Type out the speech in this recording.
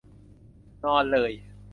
นอนเลย !